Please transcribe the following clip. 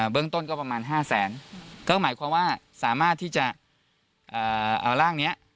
เบื้องต้นก็ประมาณ๕แสนก็หมายความว่าสามารถที่จะเอาร่างนี้